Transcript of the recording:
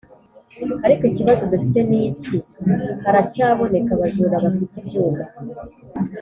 Ariko ikibazo dufite niki haracyaboneka abajura bafite ibyuma